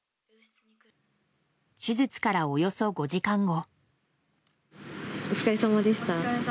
手術からおよそ５時間後。